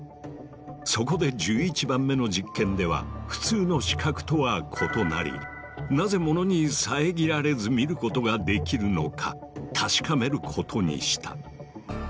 そこで１１番目の実験では普通の視覚とは異なりなぜものに遮られず見ることができるのか確かめることにした。